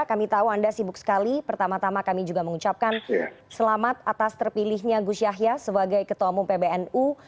kami tahu anda sibuk sekali pertama tama kami juga mengucapkan selamat atas terpilihnya gus yahya sebagai ketua umum pbnu